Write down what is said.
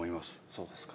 そうですか。